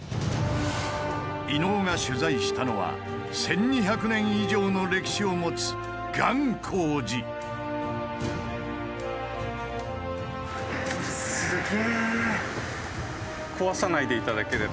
伊野尾が取材したのは１，２００年以上の歴史を持つすげ。